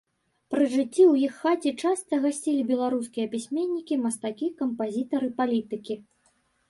Пры жыцці ў іх хаце часта гасцілі беларускія пісьменнікі, мастакі, кампазітары, палітыкі.